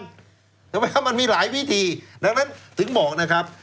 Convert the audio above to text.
ใช่ไหมครับมันมีหลายวิธีดังนั้นถึงบอกนะครับ